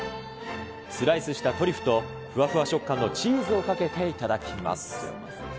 スライスしたトリュフとふわふわ食感のチーズをかけて頂きます。